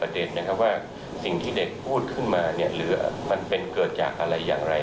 ว่าสิ่งที่เด็กพูดขึ้นมาหรือมันเป็นเกิดจากอะไรอย่างไร